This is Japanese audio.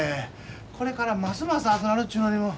これからますます暑なるちゅうのに。